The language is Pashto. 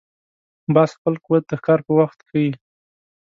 باز خپل قوت د ښکار پر وخت ښيي